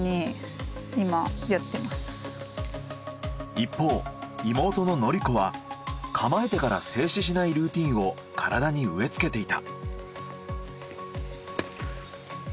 一方妹の宣子は構えてから静止しないルーティンを体に植えつけていた。